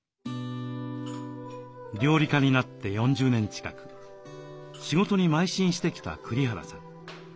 料理家になって４０年近く仕事に邁進してきた栗原さん。